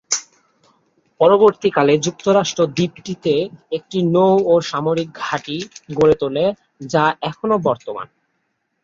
পরবর্তীকালে যুক্তরাষ্ট্র দ্বীপটিতে একটি নৌ ও সামরিক ঘাঁটি গড়ে তোলে যা এখনো বর্তমান।